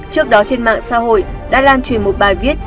trước đó trên mạng xã hội đã lan truyền một bài viết